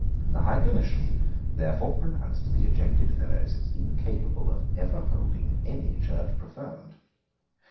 The High Commission therefore pronounced the ejected Fellows incapable of ever holding any church preferment.